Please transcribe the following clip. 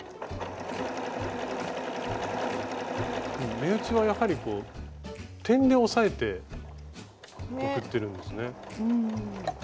目打ちはやはり点で押さえて送ってるんですね。